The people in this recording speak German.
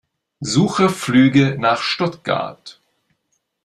Suche Flüge nach Stuttgart.